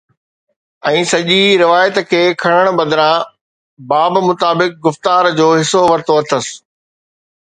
۽ سڄي روايت کي کڻڻ بدران باب مطابق گفتار جو حصو ورتو اٿس